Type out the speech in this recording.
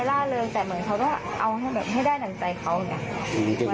แต่เหมือนเขาต้องเอาให้ได้ดั่งใจเขา